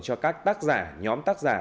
cho các tác giả nhóm tác giả